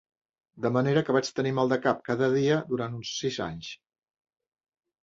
De manera que vaig tenir mal de cap cada dia durant uns sis anys.